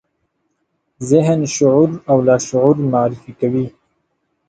ذهن، شعور او لاشعور معرفي کوي.